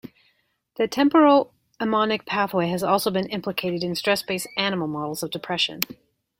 The temporoammonic pathway has also been implicated in stress-based animal models of depression.